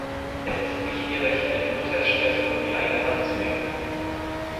Es ist nicht ihr Recht, eine Urteilssprechung in die eigene Hand zu nehmen.